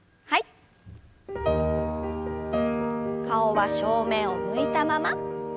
顔は正面を向いたまま。